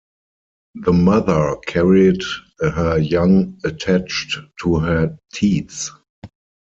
The mother carried her young attached to her teats.